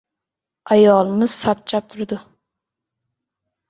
Ayolimiz sapchib turdi.